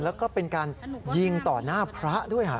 แล้วก็เป็นการยิงต่อหน้าพระด้วย